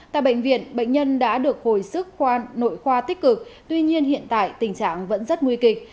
tại bệnh viện bệnh nhân đã được hồi sức nội khoa tích cực tuy nhiên hiện tại tình trạng vẫn rất nguy kịch